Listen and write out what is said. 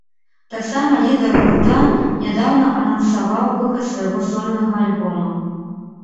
Таксама лідар гурта нядаўна анансаваў выхад свайго сольнага альбома.